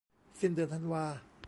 สิ้นเดือนธันวา